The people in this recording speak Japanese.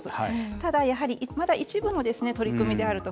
ただ、やはり、まだ一部の取り組みであると。